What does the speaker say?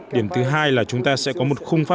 điểm thứ hai là chúng ta sẽ có một khung pháp